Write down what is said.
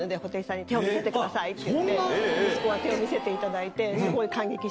息子は手を見せていただいて。